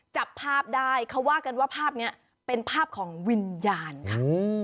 จับภาพได้เขาว่ากันว่าภาพนี้เป็นภาพของวิญญาณค่ะ